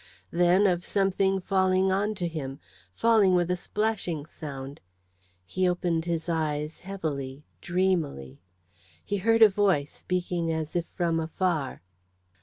Then of something falling on to him falling with a splashing sound. He opened his eyes, heavily, dreamily. He heard a voice, speaking as if from afar.